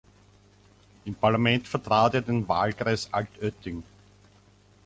Im Parlament vertrat er den Wahlkreis Altötting.